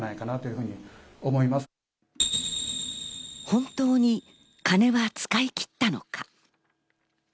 本当に金は使い切ったのか？